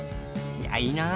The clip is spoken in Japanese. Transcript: いやいいな！